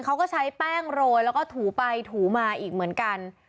เขาก็ใช้แป้งโรยแล้วก็ถูไปถูมาอีกเหมือนกัน